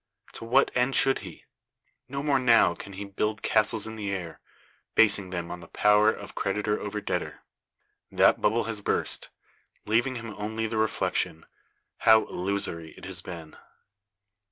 To what end should he? No more now can he build castles in the air, basing them on the power of creditor over debtor. That bubble has burst, leaving him only the reflection, how illusory it has been.